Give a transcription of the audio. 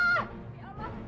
ya allah mas